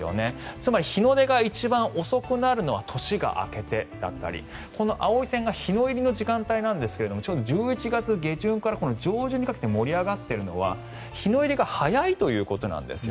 つまり日の出が一番遅くなるのは年が明けてだったりこの青い線が日の入りの時間帯なんですがちょうど１１月下旬から１２月上旬にかけて盛り上がっているのは日の入りが早いということです。